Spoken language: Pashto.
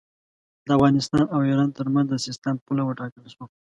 د افغانستان او ایران ترمنځ د سیستان پوله وټاکل شوه.